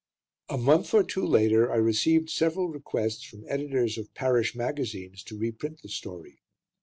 A month or two later, I received several requests from editors of parish magazines to reprint the story.